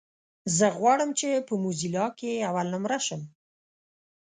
زه غواړم چې په موزيلا کې اولنومره شم.